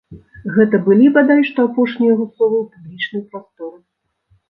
Гэта былі, бадай што, апошнія яго словы ў публічнай прасторы.